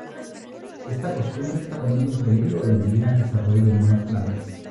Esta costumbre está poniendo en peligro hoy en día el desarrollo de nuevas plantas.